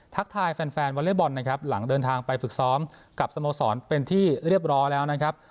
ทายแฟนวอเล็กบอลนะครับหลังเดินทางไปฝึกซ้อมกับสโมสรเป็นที่เรียบร้อยแล้วนะครับ